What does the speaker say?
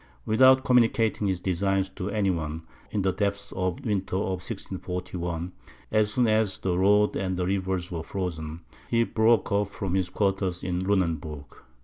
Without communicating his designs to any one, in the depth of the winter of 1641, as soon as the roads and rivers were frozen, he broke up from his quarters in Lunenburg.